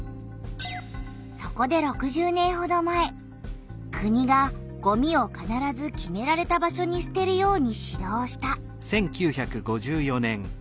そこで６０年ほど前国がごみをかならず決められた場所にすてるように指導した。